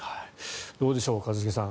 どうでしょう、一茂さん